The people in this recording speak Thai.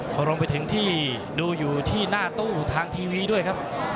พอลงไปถึงที่ดูอยู่ที่หน้าตู้ทางทีวีด้วยครับ